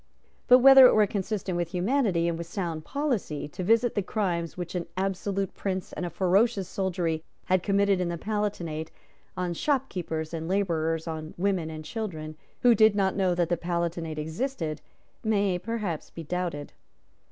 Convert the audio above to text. But whether it were consistent with humanity and with sound policy to visit the crimes which an absolute Prince and a ferocious soldiery had committed in the Palatinate on shopkeepers and labourers, on women and children, who did not know that the Palatinate existed, may perhaps be doubted.